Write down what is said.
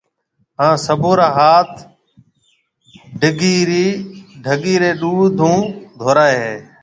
ھان سڀون را ھاٿ ڍگِي رَي ڏُوڌ ھون ڌورائيَ ھيَََ